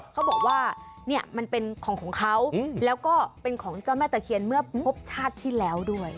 เขาบอกว่าเนี่ยมันเป็นของของเขาแล้วก็เป็นของเจ้าแม่ตะเคียนเมื่อพบชาติที่แล้วด้วย